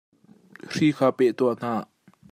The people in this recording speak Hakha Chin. Hri kha peh tuah hna.